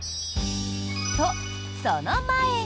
と、その前に。